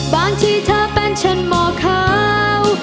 บางทีเธอเป็นฉันหมอขาว